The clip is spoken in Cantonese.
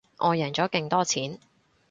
我贏咗勁多錢